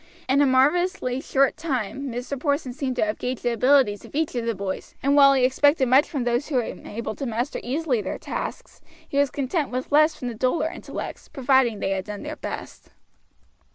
In a marvelously short time Mr. Porson seemed to have gauged the abilities of each of the boys, and while he expected much from those who were able' to master easily their tasks, he was content with less from the duller intellects, providing they had done their best.